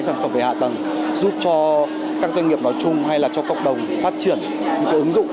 sản phẩm về hạ tầng giúp cho các doanh nghiệp nói chung hay là cho cộng đồng phát triển những cái ứng dụng